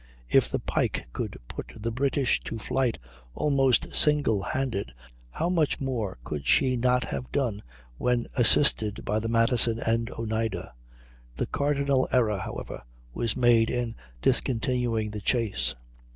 If the Pike could put the British to flight almost single handed, how much more could she not have done when assisted by the Madison and Oneida? The cardinal error, however, was made in discontinuing the chase.